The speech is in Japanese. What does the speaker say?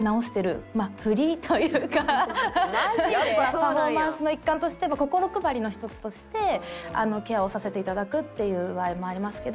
パフォーマンスの一環として心配りの１つとしてケアをさせていただくっていう場合もありますけど。